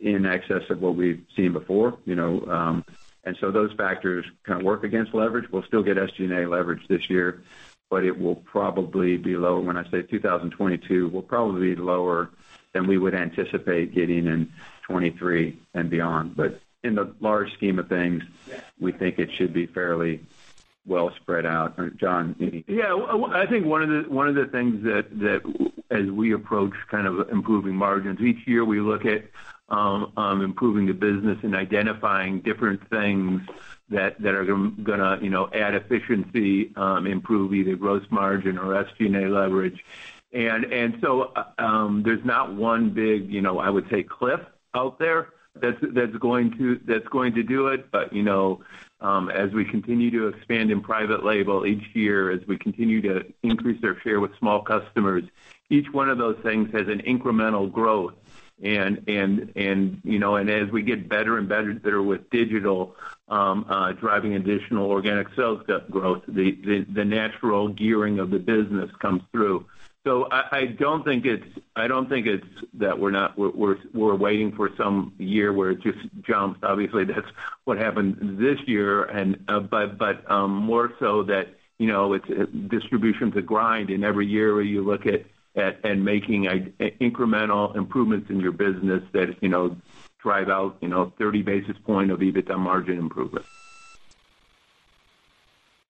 S3: in excess of what we've seen before, you know, and so those factors kind of work against leverage. We'll still get SG&A leverage this year, but it will probably be low. When I say 2022, we'll probably be lower than we would anticipate getting in 2023 and beyond. In the large scheme of things, we think it should be fairly well spread out. John, anything?
S2: Yeah. I think one of the things that as we approach kind of improving margins each year, we look at improving the business and identifying different things that are gonna, you know, add efficiency, improve either gross margin or SG&A leverage. There's not one big, you know, I would say cliff out there that's going to do it. You know, as we continue to expand in private label each year, as we continue to increase their share with small customers, each one of those things has an incremental growth. You know, as we get better and better and better with digital driving additional organic sales growth, the natural gearing of the business comes through. I don't think it's that we're waiting for some year where it just jumps. Obviously, that's what happened this year, but more so that, you know, it's distribution's a grind, and every year you look at making incremental improvements in your business that, you know, drive out 30 basis points of EBITDA margin improvement.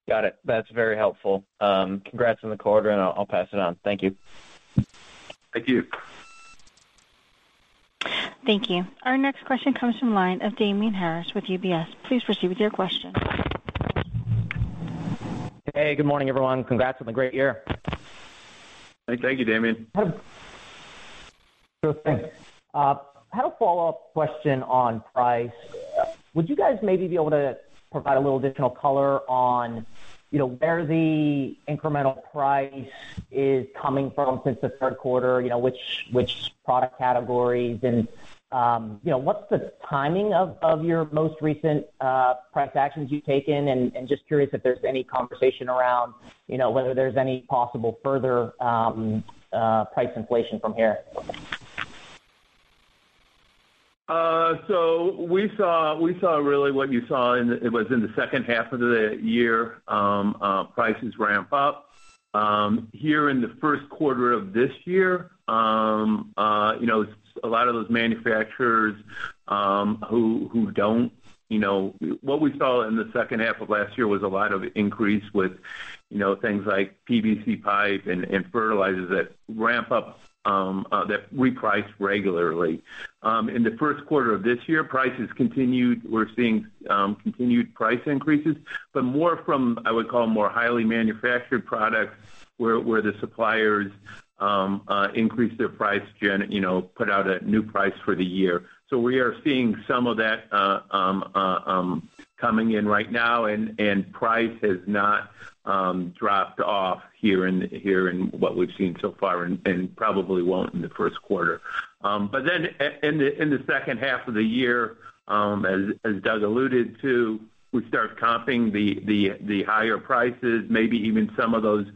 S9: Got it. That's very helpful. Congrats on the quarter, and I'll pass it on. Thank you.
S3: Thank you.
S1: Thank you. Our next question comes from the line of Damian Karas with UBS. Please proceed with your question.
S10: Hey, good morning, everyone. Congrats on the great year.
S3: Thank you, Damian.
S10: Sure thing. Had a follow-up question on price. Would you guys maybe be able to provide a little additional color on, you know, where the incremental price is coming from since the third quarter? You know, which product categories and, you know, what's the timing of your most recent price actions you've taken? And just curious if there's any conversation around, you know, whether there's any possible further price inflation from here.
S2: We saw what you saw in the second half of the year, prices ramp up. In the first quarter of this year, you know, a lot of those manufacturers who don't, you know. What we saw in the second half of last year was a lot of increase with things like PVC pipe and fertilizers that ramp up that reprice regularly. In the first quarter of this year, prices continued. We are seeing continued price increases, but more from what I would call more highly manufactured products, where the suppliers increase their price, you know, put out a new price for the year. We are seeing some of that coming in right now, and price has not dropped off here in what we've seen so far, and probably won't in the first quarter. In the second half of the year, as Doug alluded to, we start comping the higher prices, maybe even some of those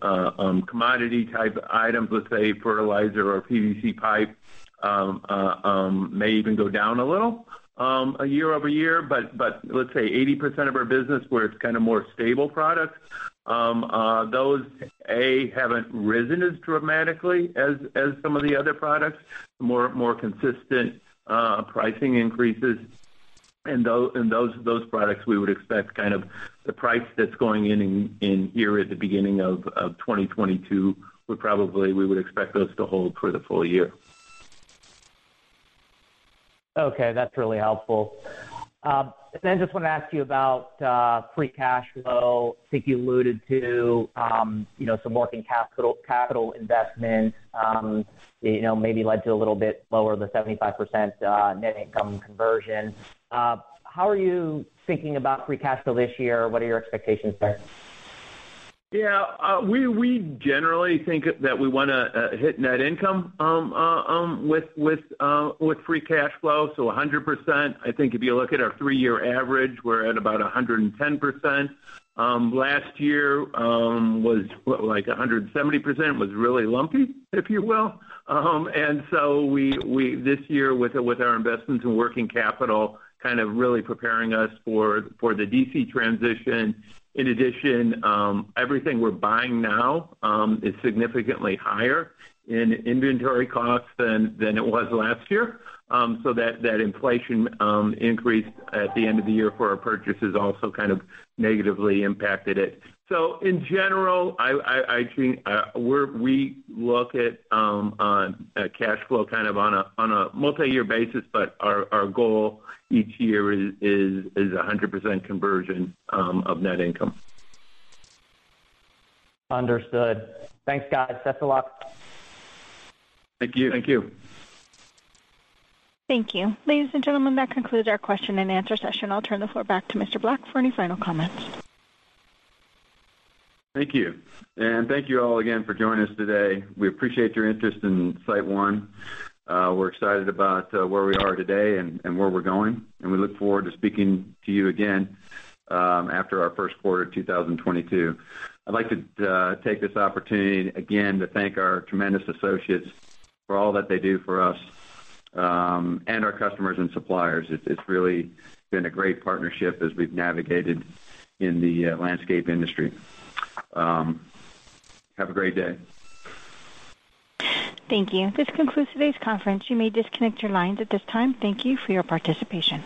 S2: commodity-type items. Let's say fertilizer or PVC pipe may even go down a little year-over-year. Let's say 80% of our business where it's kind of more stable products, those haven't risen as dramatically as some of the other products. More consistent pricing increases. Those products, we would expect kind of the price that's going in here at the beginning of 2022 to hold for the full year.
S10: Okay, that's really helpful. Just wanna ask you about free cash flow. I think you alluded to, you know, some working capital investment, you know, maybe led to a little bit lower than 75%, net income conversion. How are you thinking about free cash flow this year? What are your expectations there?
S2: Yeah. We generally think that we wanna hit net income with free cash flow, so 100%. I think if you look at our three-year average, we're at about 110%. Last year was like 170%, was really lumpy, if you will. This year with our investments in working capital kind of really preparing us for the DC transition. In addition, everything we're buying now is significantly higher in inventory costs than it was last year. That inflation increase at the end of the year for our purchases also kind of negatively impacted it. In general, I think we look at cash flow kind of on a multi-year basis, but our goal each year is 100% conversion of net income.
S10: Understood. Thanks, guys. That's a lot.
S3: Thank you.
S2: Thank you.
S1: Thank you. Ladies and gentlemen, that concludes our question and answer session. I'll turn the floor back to Mr. Black for any final comments.
S3: Thank you. Thank you all again for joining us today. We appreciate your interest in SiteOne. We're excited about where we are today and where we're going, and we look forward to speaking to you again after our first quarter of 2022. I'd like to take this opportunity again to thank our tremendous associates for all that they do for us and our customers and suppliers. It's really been a great partnership as we've navigated in the landscape industry. Have a great day.
S1: Thank you. This concludes today's conference. You may disconnect your lines at this time. Thank you for your participation.